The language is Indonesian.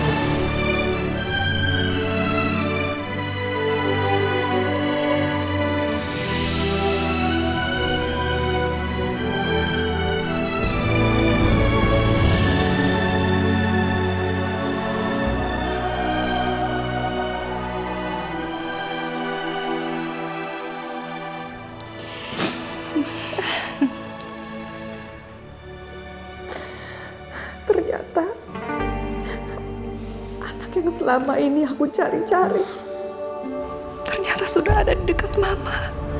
ternyata ternyata anak yang selama ini aku cari cari ternyata sudah ada di dekat mama